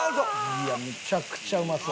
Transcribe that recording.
いやめちゃくちゃうまそう！